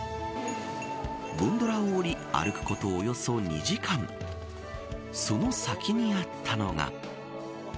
ゴンドラを降り歩くことおよそ２時間その先にあったのが。